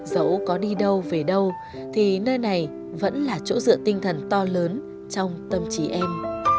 dẫu có đi đâu về đâu thì nơi này vẫn là chỗ dựa tinh thần to lớn trong tâm trí em